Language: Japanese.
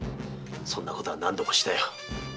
そんなことは何度もしたよ。